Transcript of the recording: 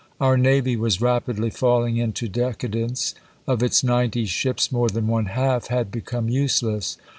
Our navy was rapidly falling into de cadence. Of its ninety ships more than one half had become useless.